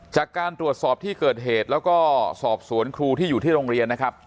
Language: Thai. จากการตรวจสอบที่เกิดเหตุแล้วก็สอบสวนครูที่อยู่ที่โรงเรียนนะครับ